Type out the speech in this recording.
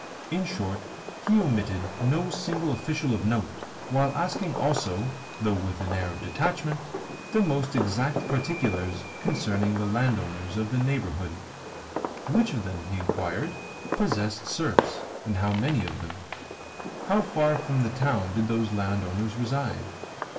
In short, he omitted no single official of note, while asking also (though with an air of detachment) the most exact particulars concerning the landowners of the neighbourhood. Which of them, he inquired, possessed serfs, and how many of them? How far from the town did those landowners reside?